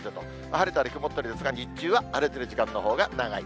晴れたり曇ったりですが、日中は晴れてる時間のほうが長い。